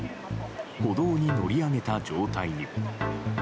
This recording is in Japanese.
歩道に乗り上げた状態に。